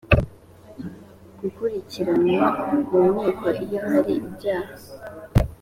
gukurikiranwa mu nkiko iyo hari ibyaha